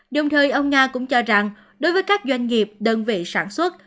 đồng thời ông nga cũng cho rằng đối với các doanh nghiệp đơn vị sản xuất